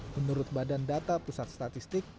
menurut badan data pusat statistik